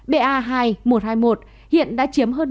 ba hai một trăm hai mươi một hiện đã chiếm hơn